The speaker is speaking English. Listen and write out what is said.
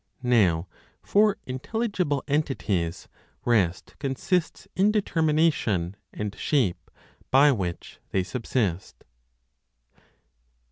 Now, for Intelligible entities, rest consists in determination, and shape by which they subsist.